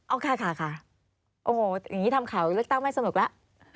โอเคค่ะโอ้โหอย่างนี้ทำข่าวเลือกตั้งไม่สนุกแล้ว